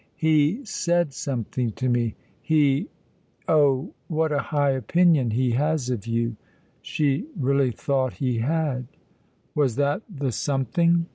"He said something to me. He oh, what a high opinion he has of you!" (She really thought he had.) "Was that the something?"